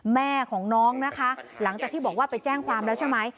แม่ของน้องนะคะหลังจากที่บอกว่าไปแจ้งความแล้วใช่ไหม